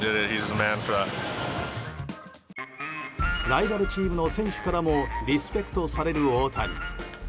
ライバルチームの選手からもリスペクトされる大谷。